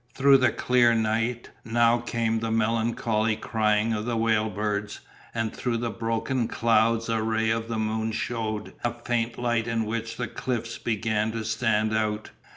Through the clear night now came the melancholy crying of the whale birds, and through the broken clouds a ray of the moon shewed a faint light in which the cliffs began to stand out.